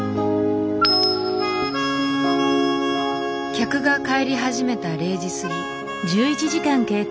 客が帰り始めた０時過ぎ。